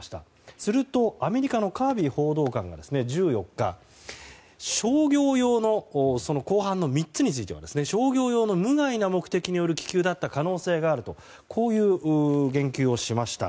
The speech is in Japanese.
すると、アメリカのカービー報道官が１４日後半の３つについては商業用の無害な目的による気球だった可能性があるとこういう言及をしました。